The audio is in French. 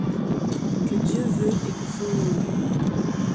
Que Dieu veut et que font les nids.